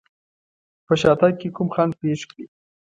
په شاتګ کې کوم خنډ پېښ کړي.